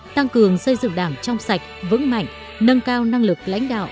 tăng cường xây dựng đảng trong sạch vững mạnh nâng cao năng lực lãnh đạo